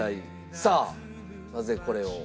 さあなぜこれを？